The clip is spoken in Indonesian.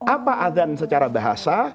apa adhan secara bahasa